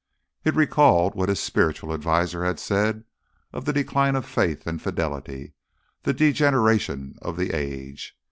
It recalled what his spiritual adviser had said of the decline of faith and fidelity, the degeneration of the age.